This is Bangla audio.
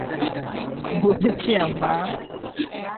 বুঝেছি, আম্মা।